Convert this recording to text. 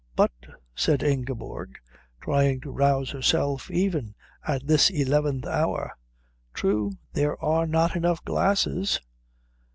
"But " said Ingeborg, trying to rouse herself even at this eleventh hour. "True. There are not enough glasses.